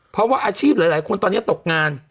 เพราะว่าอาชีพหลายคนตอนนี้ตกงาน